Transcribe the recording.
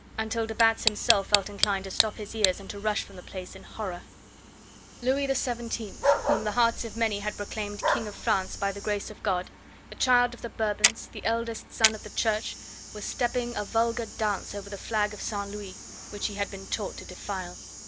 until de Batz himself felt inclined to stop his ears and to rush from the place in horror. Louis XVII, whom the hearts of many had proclaimed King of France by the grace of God, the child of the Bourbons, the eldest son of the Church, was stepping a vulgar dance over the flag of St. Louis, which he had been taught to defile.